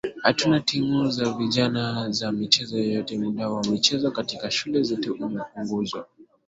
Hatuna timu za vijana za michezo yote muda wa michezo katika shule zetu umepunguzwa